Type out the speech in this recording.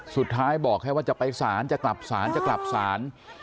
สุดท้ายบอกแค่ว่าจะไปศาลจะกลับศาลจะกลับศาล